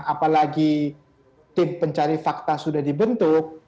apalagi tim pencari fakta sudah dibentuk